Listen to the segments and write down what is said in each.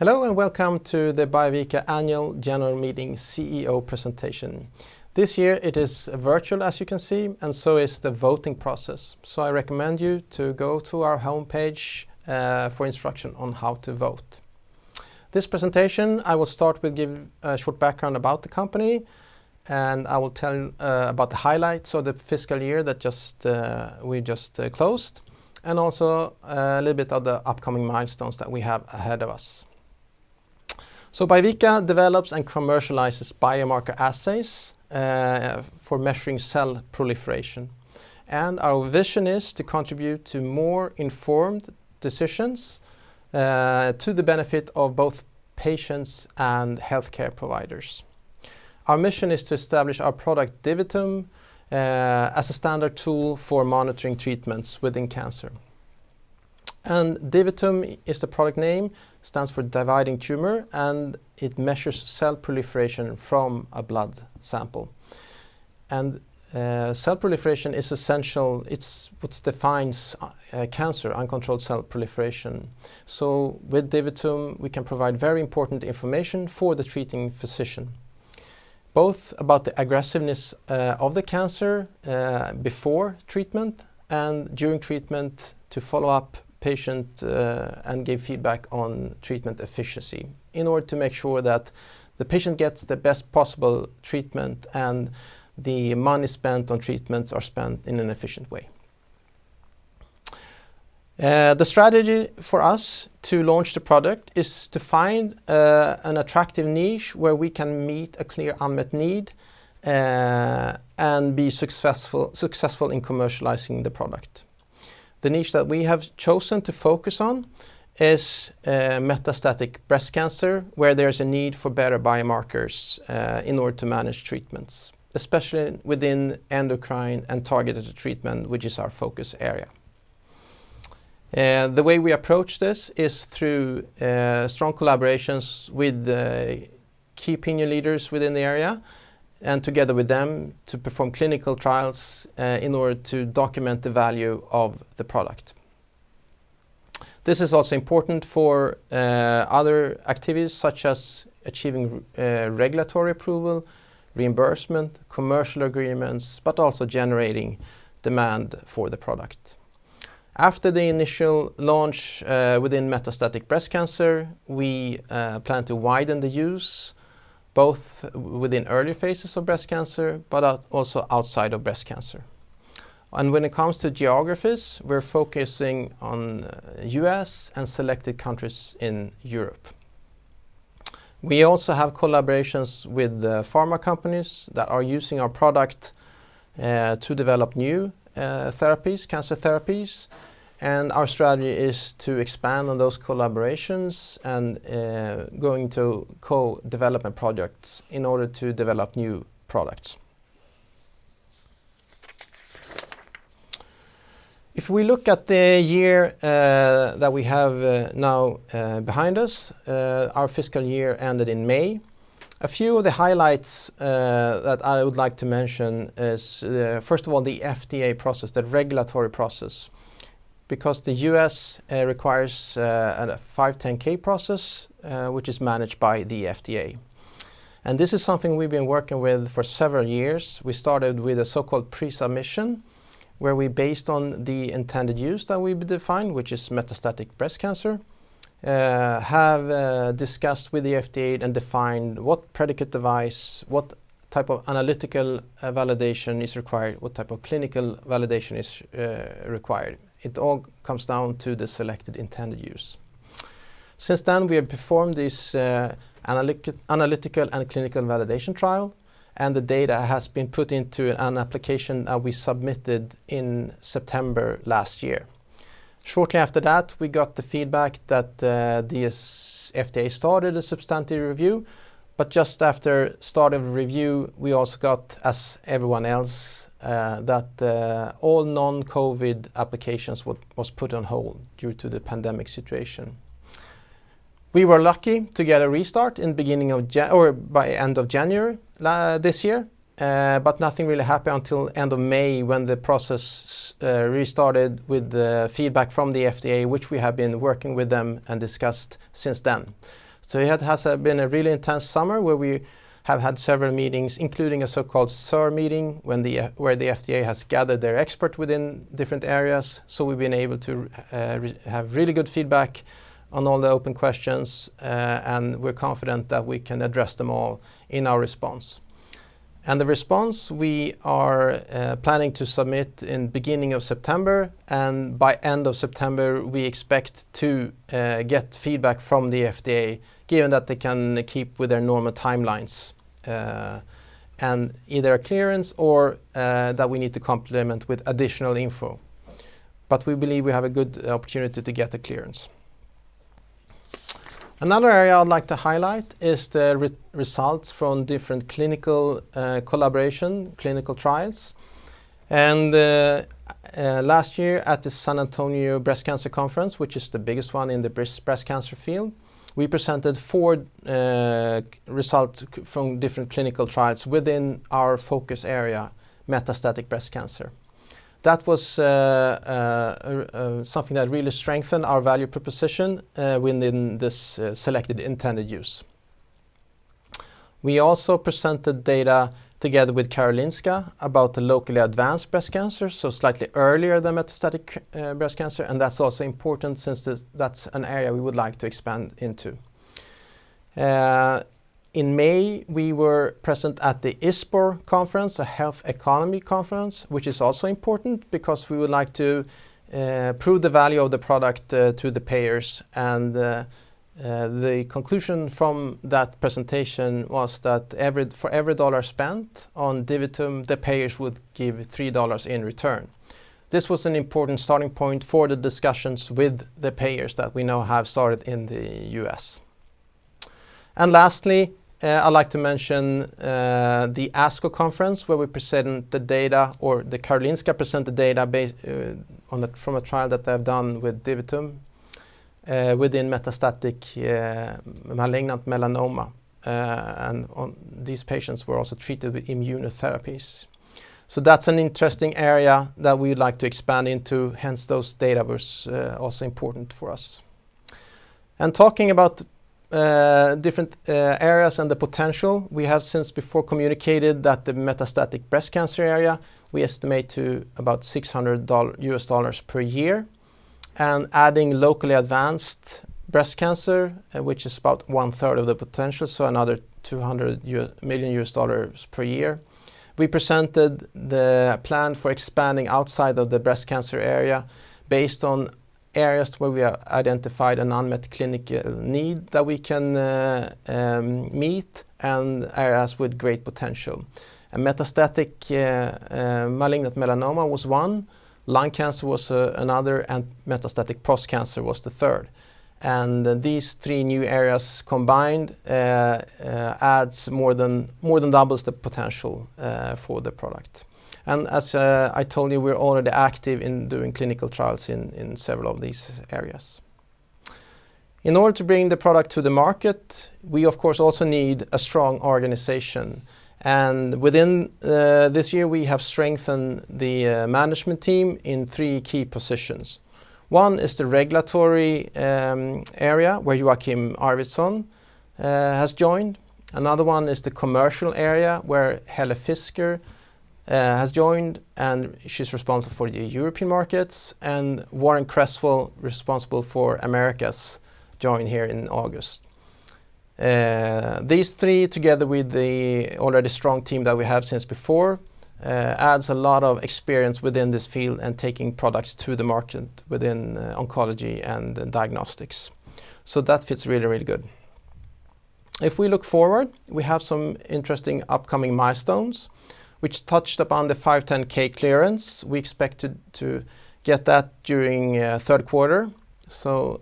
Hello, and welcome to the Biovica Annual General Meeting CEO presentation. This year it is virtual, as you can see, and so is the voting process. I recommend you to go to our homepage for instruction on how to vote. This presentation, I will start with giving a short background about the company, and I will tell you about the highlights of the fiscal year that we just closed, and also a little bit of the upcoming milestones that we have ahead of us. Biovica develops and commercializes biomarker assays for measuring cell proliferation. Our vision is to contribute to more informed decisions to the benefit of both patients and healthcare providers. Our mission is to establish our product, DiviTum, as a standard tool for monitoring treatments within cancer. DiviTum is the product name, stands for dividing tumor, and it measures cell proliferation from a blood sample. Cell proliferation is essential. It's what defines cancer, uncontrolled cell proliferation. With DiviTum, we can provide very important information for the treating physician, both about the aggressiveness of the cancer before treatment and during treatment to follow up patient and give feedback on treatment efficiency in order to make sure that the patient gets the best possible treatment and the money spent on treatments are spent in an efficient way. The strategy for us to launch the product is to find an attractive niche where we can meet a clear unmet need and be successful in commercializing the product. The niche that we have chosen to focus on is metastatic breast cancer, where there's a need for better biomarkers in order to manage treatments, especially within endocrine and targeted treatment, which is our focus area. The way we approach this is through strong collaborations with key opinion leaders within the area and together with them to perform clinical trials in order to document the value of the product. This is also important for other activities, such as achieving regulatory approval, reimbursement, commercial agreements, but also generating demand for the product. After the initial launch within metastatic breast cancer, we plan to widen the use, both within early phases of breast cancer, but also outside of breast cancer. When it comes to geographies, we're focusing on U.S. and selected countries in Europe. We also have collaborations with the pharma companies that are using our product to develop new cancer therapies. Our strategy is to expand on those collaborations and going to co-development projects in order to develop new products. If we look at the year that we have now behind us, our fiscal year ended in May. A few of the highlights that I would like to mention is, first of all, the FDA process, the regulatory process, because the U.S. requires a 510(k) process, which is managed by the FDA. This is something we've been working with for several years. We started with a so-called pre-submission, where we based on the intended use that we've defined, which is metastatic breast cancer, have discussed with the FDA and defined what predicate device, what type of analytical validation is required, what type of clinical validation is required. It all comes down to the selected intended use. Since then, we have performed this analytical and clinical validation trial, and the data has been put into an application that we submitted in September last year. Shortly after that, we got the feedback that the FDA started a substantive review. Just after start of review, we also got, as everyone else, that all non-COVID applications was put on hold due to the pandemic situation. We were lucky to get a restart by end of January this year, nothing really happened until end of May when the process restarted with the feedback from the FDA, which we have been working with them and discussed since then. It has been a really intense summer where we have had several meetings, including a so-called SAR meeting, where the FDA has gathered their expert within different areas. We've been able to have really good feedback on all the open questions, and we're confident that we can address them all in our response. The response we are planning to submit in beginning of September, and by end of September, we expect to get feedback from the FDA, given that they can keep with their normal timelines, and either a clearance or that we need to complement with additional info. We believe we have a good opportunity to get a clearance. Another area I would like to highlight is the results from different clinical collaboration, clinical trials. Last year at the San Antonio Breast Cancer Symposium, which is the biggest one in the breast cancer field. We presented four results from different clinical trials within our focus area, metastatic breast cancer. That was something that really strengthened our value proposition within this selected intended use. We also presented data together with Karolinska about the locally advanced breast cancer, so slightly earlier than metastatic breast cancer. That's also important since that's an area we would like to expand into. In May, we were present at the ISPOR Conference, a health economy conference, which is also important because we would like to prove the value of the product to the payers. The conclusion from that presentation was that for every $1 spent on DiviTum, the payers would give $3 in return. This was an important starting point for the discussions with the payers that we now have started in the U.S. Lastly, I'd like to mention the ASCO conference, where we presented the data, or the Karolinska presented data from a trial that they have done with DiviTum within metastatic malignant melanoma. These patients were also treated with immunotherapies. That's an interesting area that we would like to expand into, hence those data were also important for us. Talking about different areas and the potential, we have since before communicated that the metastatic breast cancer area, we estimate to about $600 million USD per year. Adding locally advanced breast cancer, which is about one third of the potential, another $200 million USD per year. We presented the plan for expanding outside of the breast cancer area based on areas where we have identified an unmet clinical need that we can meet, and areas with great potential. Metastatic malignant melanoma was one, lung cancer was another, and metastatic prostate cancer was the third. These three new areas combined more than doubles the potential for the product. As I told you, we're already active in doing clinical trials in several of these areas. In order to bring the product to the market, we of course also need a strong organization. Within this year, we have strengthened the management team in three key positions. One is the regulatory area, where Joakim Harrison has joined. Another one is the commercial area, where Helle Fisker has joined, and she's responsible for the European markets, and Warren Cresswell, responsible for Americas, joined here in August. These three, together with the already strong team that we have since before, adds a lot of experience within this field and taking products to the market within oncology and diagnostics. That fits really, really good. If we look forward, we have some interesting upcoming milestones, which touched upon the 510 clearance. We expect to get that during third quarter,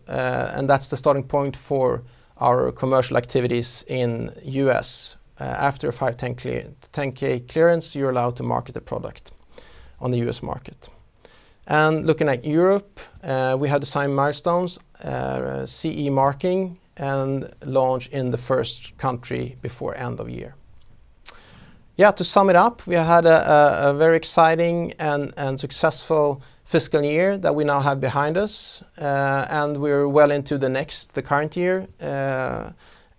and that's the starting point for our commercial activities in U.S. After 510 clearance, you're allowed to market the product on the U.S. market. Looking at Europe, we had the same milestones, CE marking, and launch in the first country before end of year. To sum it up, we had a very exciting and successful fiscal year that we now have behind us, and we're well into the current year.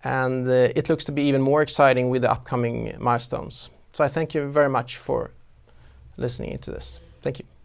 It looks to be even more exciting with the upcoming milestones. I thank you very much for listening to this. Thank you.